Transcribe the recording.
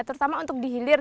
terutama untuk dihilir